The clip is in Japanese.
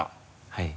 はい。